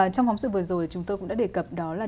trong phóng sự vừa rồi chúng tôi cũng đã đề cập đó là